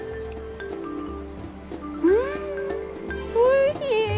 うんおいしい！